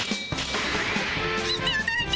聞いておどろけ！